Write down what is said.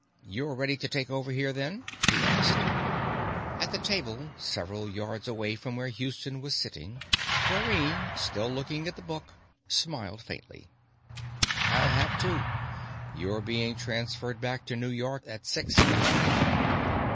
_ You're ready to take over here, then? he asked. At the table, several yards away from where Houston was sitting, Dorrine, still looking at the book, smiled faintly. _I'll have to; you're being transferred back to New York at six in the morning.